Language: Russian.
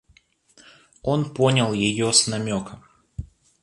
Он понял ее с намека.